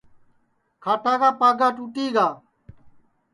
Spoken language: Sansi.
کھاٹا کا پاگا ٹُوٹی گا